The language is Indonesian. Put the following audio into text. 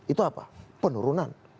itu apa penurunan